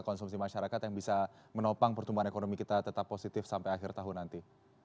konsumsi masyarakat yang bisa menopang pertumbuhan ekonomi kita tetap positif sampai akhir tahun nanti